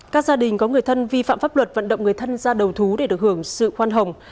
các gia đình có người thân vi phạm pháp luật vận động người thân ra đầu thú để được hưởng sự khoan hồng